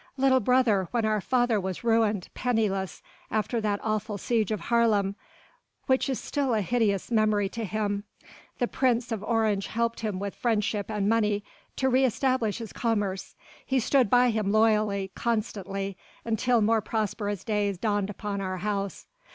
Little brother, when our father was ruined, penniless, after that awful siege of Haarlem, which is still a hideous memory to him, the Prince of Orange helped him with friendship and money to re establish his commerce, he stood by him loyally, constantly, until more prosperous days dawned upon our house.